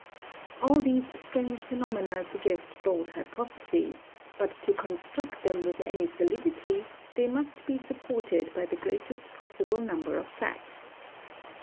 All these strange phenomena suggest bold hypotheses, but to construct them with any solidity they must be supported by the greatest possible number of facts.